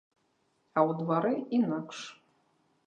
А ў двары інакш.